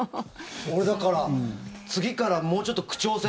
俺、だから、次からもうちょっと区長選